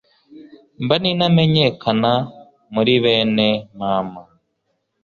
mba n'intamenyekana muri bene mama